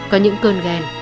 có những cơn ghen